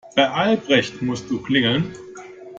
Bei Albrecht musst du klingeln.